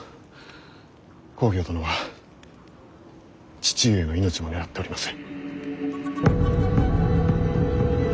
公暁殿は父上の命も狙っております。